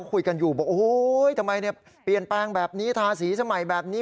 คุยกันอยู่บอกโอ้โหทำไมเปลี่ยนแปลงแบบนี้ทาสีสมัยแบบนี้